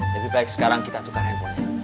lebih baik sekarang kita tukar handphonenya